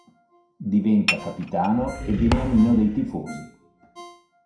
Diventa capitano e beniamino dei tifosi.